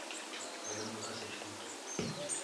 Pega no meu cacetinho aqui